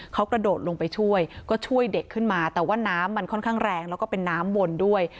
เขากระโดดลงไปช่วยก็ช่วยเด็กขึ้นมาแต่ว่าน้ำมันค่อนข้างแรงแล้วก็เป็นน้ำวนด้วย